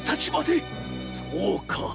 そうか！